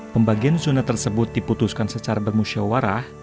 pembagian zona tersebut diputuskan secara bermusyawarah